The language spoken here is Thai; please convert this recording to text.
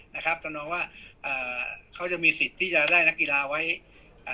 นะครับทำนองว่าอ่าเขาจะมีสิทธิ์ที่จะได้นักกีฬาไว้อ่า